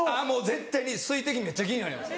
絶対に水滴めっちゃ気になります。